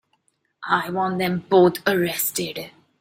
I want them both arrested.